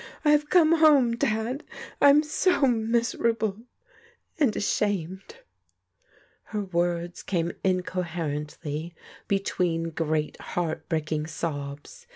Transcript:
I have come home. Dad! — ^I'm so miserable and — ashamed !Her words came incoherently between great heart breaking sobs.